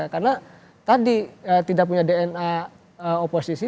karena tadi tidak punya dna oposisi